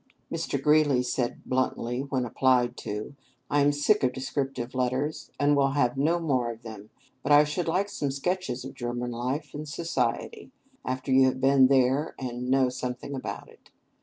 Mr. Greeley said bluntly when applied to, "I am sick of descriptive letters, and will have no more of them. But I should like some sketches of German life and society, after you have been there, and know something about it.